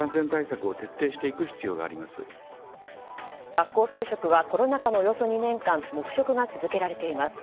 学校給食はコロナ禍のおよそ２年間黙食が続けられています。